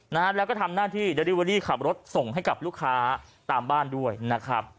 นะฮะแล้วก็ทำหน้าที่เดลิเวอรี่ขับรถส่งให้กับลูกค้าตามบ้านด้วยนะครับ